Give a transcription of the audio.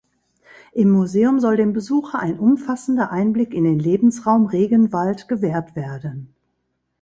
Im Museum soll dem Besucher ein umfassender Einblick in den Lebensraum Regenwald gewährt werden.